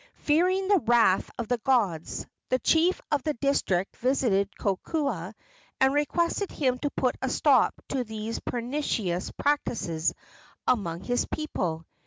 Fearing the wrath of the gods, the chief of the district visited Kokoa and requested him to put a stop to these pernicious practices among his people.